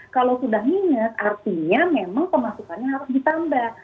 kalau sudah minat artinya memang pemasukannya harus ditambah